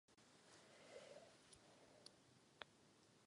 Loď je zastřešena sedlovou střechou.